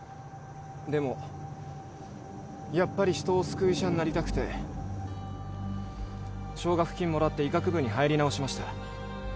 でもやっぱり人を救う医者になりたくて奨学金もらって医学部に入り直しました。